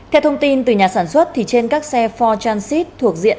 theo thông tin từ nhà sản xuất trên các xe ford transit thuộc diện